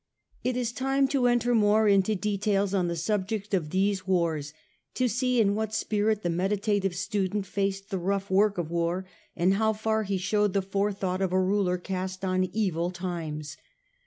It is time to enter more into details on the subject of these wars, to see in what spirit the meditative student faced the rough work of war, and how far he showed the forethought of a ruler cast on evil times.